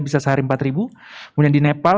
bisa sehari empat ribu kemudian di nepal